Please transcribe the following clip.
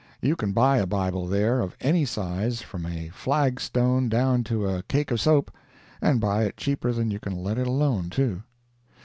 You can buy a Bible there of any size, from a flag stone down to a cake of soap, and buy it cheaper than you can let it alone, too.